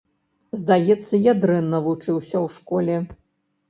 Здаецца, я дрэнна вучыўся ў школе.